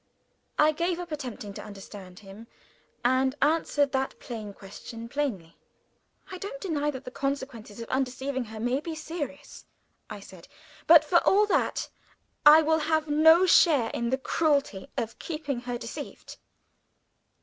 I gave up attempting to understand him; and answered that plain question, plainly. "I don't deny that the consequences of undeceiving her may be serious," I said. "But, for all that, I will have no share in the cruelty of keeping her deceived."